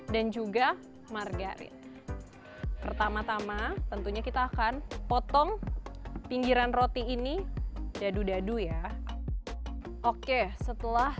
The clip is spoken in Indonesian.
dan juga margarin pertama tama tentunya kita akan potong pinggiran roti ini dadu dadu ya oke setelah